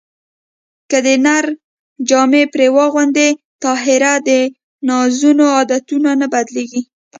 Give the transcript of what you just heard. که د نر جامې پرې واغوندې طاهره د زنانو عادتونه نه بدلېږي